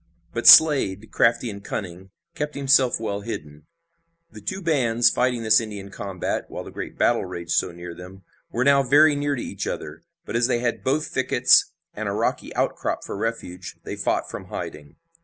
But Slade, crafty and cunning, kept himself well hidden. The two bands fighting this Indian combat, while the great battle raged so near them, were now very near to each other, but as they had both thickets and a rocky outcrop for refuge, they fought from hiding.